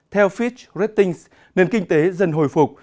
theo fitch ratings nền kinh tế dần hồi phục